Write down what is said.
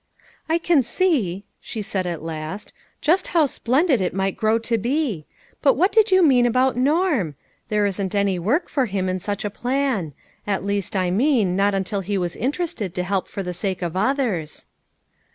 " I can see," she said at last, "just how splen did it might grow to be. But what did yo.u mean about Norm ? there isn't any work for him in such a plan. At least, I mean, not until he was interested to help for the sake of others."